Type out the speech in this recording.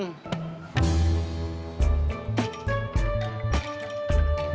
gef tahu yang pape ga paket